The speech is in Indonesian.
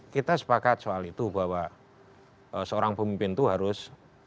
kita sepakat soal itu bahwa seorang pemimpin itu harus